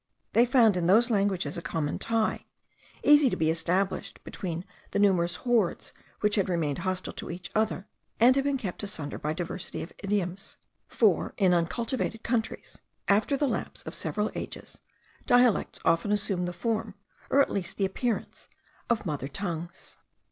They found in those languages a common tie, easy to be established between the numerous hordes which had remained hostile to each other, and had been kept asunder by diversity of idioms; for, in uncultivated countries, after the lapse of several ages, dialects often assume the form, or at least the appearance, of mother tongues.